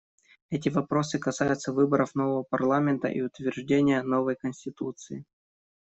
Эти вопросы касаются выборов нового парламента и утверждения новой конституции.